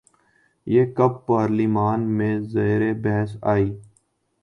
یہ کب پارلیمان میں زیر بحث آئی؟